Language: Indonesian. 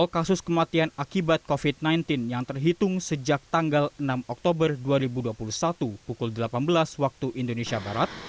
kasus kematian akibat covid sembilan belas yang terhitung sejak tanggal enam oktober dua ribu dua puluh satu pukul delapan belas waktu indonesia barat